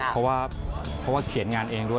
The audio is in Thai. เพราะว่าเขียนงานเองด้วย